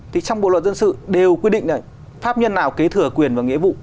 thì trong bộ luật dân sự đều quy định là pháp nhân nào kế thừa quyền và nghĩa vụ